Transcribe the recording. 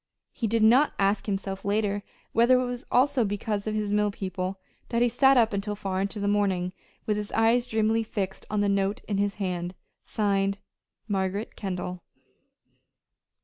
He did not ask himself later whether it was also because of his mill people that he sat up until far into the morning, with his eyes dreamily fixed on the note in his hand signed, "Margaret Kendall."